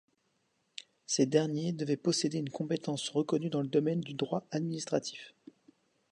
Ces derniers devaient posséder une compétence reconnue dans le domaine du droit administratif.